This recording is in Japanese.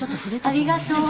ありがとう。